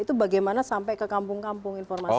itu bagaimana sampai ke kampung kampung informasi